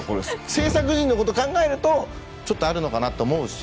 制作陣のこと考えるとちょっとあるのかなと思うし。